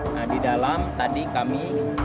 nah di dalam tadi kami